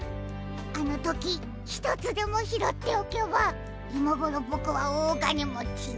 あのときひとつでもひろっておけばいまごろぼくはおおがねもちに。